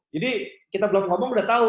jadi kita belum ngomong udah tahu